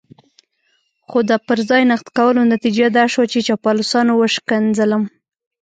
خو د پر ځای نقد کولو نتيجه دا شوه چې چاپلوسانو وشکنځلم.